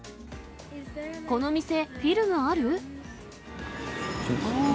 この店、フィルムある？